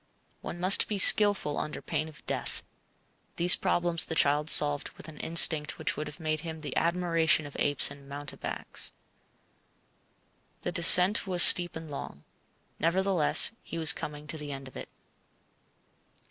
One must be skilful under pain of death. These problems the child solved with an instinct which would have made him the admiration of apes and mountebanks. The descent was steep and long. Nevertheless he was coming to the end of it.